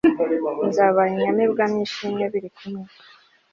nzabaha inyamibwa n,ishimwe bilikumwe